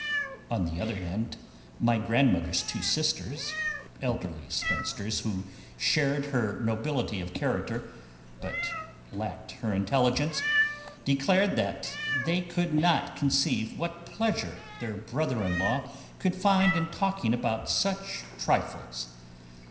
On the other hand, my grandmother's two sisters, elderly spinsters who shared her nobility of character but lacked her intelligence, declared that they could not conceive what pleasure their brother in law could find in talking about such trifles.